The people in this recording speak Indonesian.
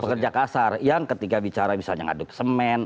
pekerja kasar yang ketika bicara bisa mengaduk semen